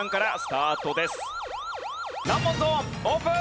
難問ゾーンオープン！